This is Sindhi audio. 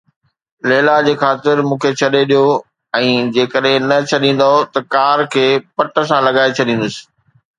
ليلا جي خاطر مون کي ڇڏي ڏيو ۽ جيڪڏهن نه ڇڏيندؤ ته ڪار کي ڀت سان لڳائي ڇڏيندس.